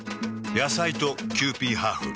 野菜とキユーピーハーフ。